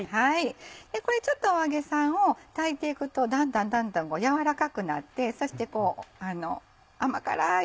これちょっとお揚げさんを炊いていくとだんだんだんだん軟らかくなってそして甘辛い